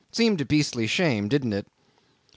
Seemed a beastly shame, didn't it? .